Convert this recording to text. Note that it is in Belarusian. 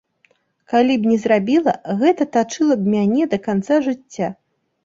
Калі б не зрабіла, гэта тачыла б мяне да канца жыцця.